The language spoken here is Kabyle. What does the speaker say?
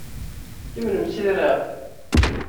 Kemmlemt tira.